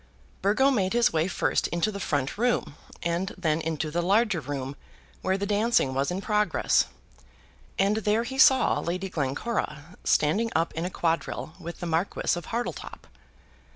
Burgo made his way first into the front room and then into the larger room where the dancing was in progress, and there he saw Lady Glencora standing up in a quadrille with the Marquis of Hartletop.